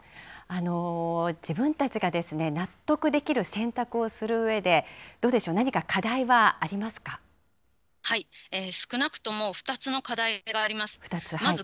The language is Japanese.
自分たちが納得できる選択をするうえで、どうでしょう、何か少なくとも２つの課題があります。